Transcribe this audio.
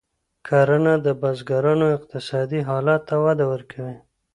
کرنه د بزګرانو اقتصادي حالت ته وده ورکوي.